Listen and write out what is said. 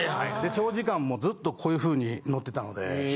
長時間もうずっとこういうふうに乗ってたので。